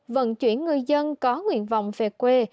vận chuyển người dân có nguyện vọng về quê